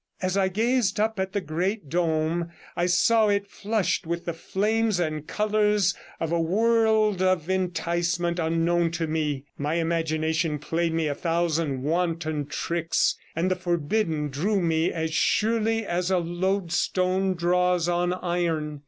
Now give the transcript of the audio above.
As I gazed up at the great dome I saw it flushed with the flames and colours of a world of enticement unknown to me, my imagination played me a thousand wanton tricks, and the forbidden drew me as surely as a loadstone draws on iron.